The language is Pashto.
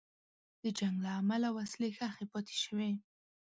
د جنګ له امله وسلې ښخي پاتې شوې.